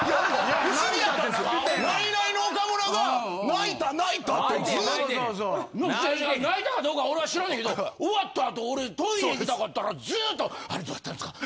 泣いたかどうか俺は知らんねんけど終わったあと俺トイレ行きたかったらずっと「あれどうやったんすか？